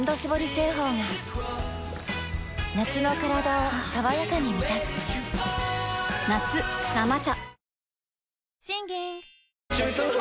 製法が夏のカラダを爽やかに満たす夏「生茶」